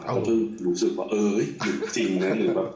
แล้วเพิ่งรู้สึกว่าเออหยุดจริงนะ